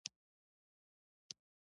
د بیان ازادي مهمه ده ځکه چې د پرمختګ کلي ده.